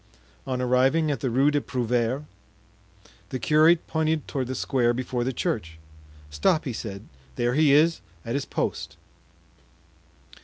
On arriving at the Rue des Prouvaires, the curate pointed toward the square before the church. "Stop!" he said, "there he is at his post."